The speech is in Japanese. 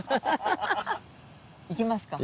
行きますか？